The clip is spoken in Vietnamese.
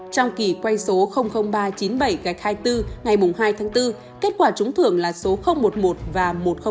trong kỳ quay số ba trăm chín mươi bảy hai mươi bốn ngày hai tháng bốn kết quả trúng thưởng là số một mươi một và một trăm linh một